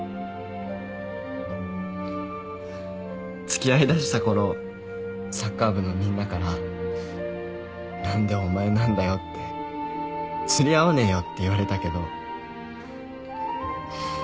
付き合いだしたころサッカー部のみんなから何でお前なんだよって釣り合わねえよって言われたけど。